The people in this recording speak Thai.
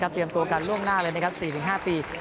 เตรียมตัวกันล่วงหน้าเลยนะครับ๔๕ปี